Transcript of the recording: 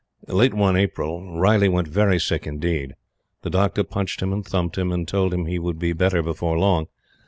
Late one April, Riley went very sick indeed. The doctor punched him and thumped him, and told him he would be better before long.